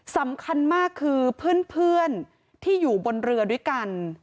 สำคัญมากคือเพื่อนที่อยู่บนเรือด้วยกัน